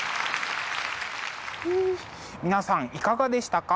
ふう皆さんいかがでしたか？